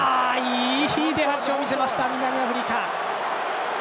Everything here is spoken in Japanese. いい出足を見せました南アフリカ。